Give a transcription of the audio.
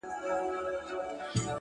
وخت د ژوند تر ټولو عادل قاضي دی’